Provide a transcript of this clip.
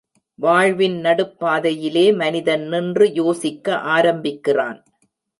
வாழ்வின் நடுப் பாதையிலே மனிதன் நின்று யோசிக்க ஆரம்பிக்கிறான்.